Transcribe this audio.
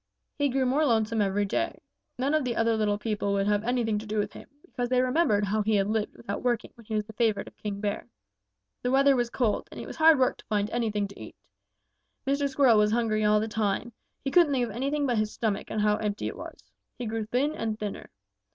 He grew more lonesome every day. None of the other little people would have anything to do with him because they remembered how he had lived without working when he was the favorite of King Bear. The weather was cold, and it was hard work to find anything to eat. Mr. Squirrel was hungry all the time. He couldn't think of anything but his stomach and how empty it was. He grew thin and thinner.